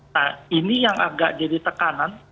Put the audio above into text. nah ini yang agak jadi tekanan